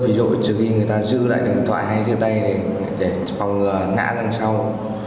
ví dụ trừ khi người ta giữ lại điện thoại hay giữ tay để phòng ngã ra sau